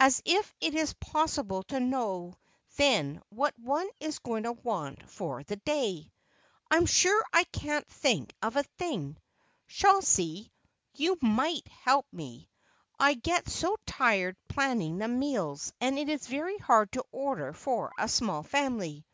As if it is possible to know then what one is going to want for the day! I'm sure I can't think of a thing! Chauncey, you might help me. I get so tired planning the meals, and it's very hard to order for a small family.